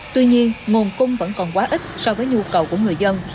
tuy nhiên nguồn cung vẫn còn quá ít so với nhu cầu của người dân